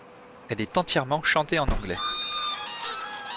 Elle est entièrement chantée en anglais.